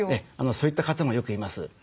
そういった方もよくいます。